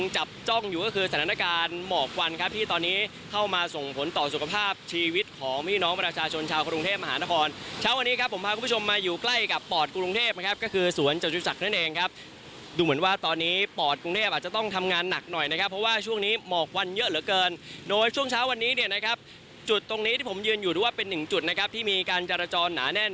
จุดตรงนี้ที่ผมยืนอยู่ดูว่าเป็นหนึ่งจุดนะครับที่มีการจารจรหนาแน่น